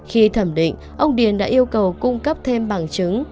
khi thẩm định ông điền đã yêu cầu cung cấp thêm bằng chứng